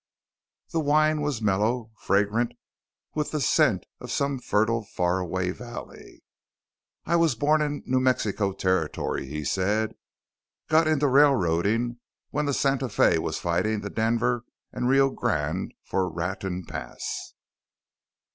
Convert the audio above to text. The wine was mellow, fragrant with the scent of some fertile, faraway valley. "I was born in New Mexico Territory," he said. "Got into railroading when the Santa Fe was fighting the Denver & Rio Grande for Raton Pass."